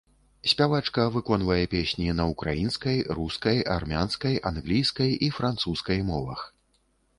Спявачка выконвае песні на ўкраінскай, рускай, армянскай, англійскай і французскай мовах.